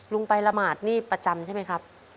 ลุงไปละหมาดนี่ประจำใช่ไหมครับ